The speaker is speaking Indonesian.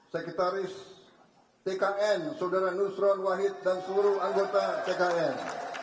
sekretaris tkn saudara nusron wahid dan seluruh anggota tkn